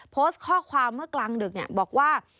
โพสต์ข้อความเมื่อกลางดึกบอกว่า